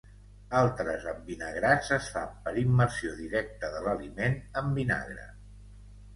Altres envinagrats es fan per immersió directa de l'aliment en vinagre.